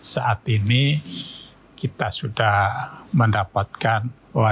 saat ini kita sudah mendapatkan warisan geopark